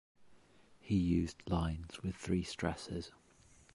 He used lines with three stresses.